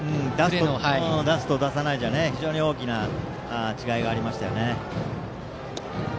出すと出さないじゃ非常に大きな違いがありました。